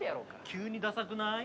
急にダサくない？